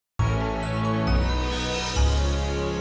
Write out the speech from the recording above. terima kasih loh reynolds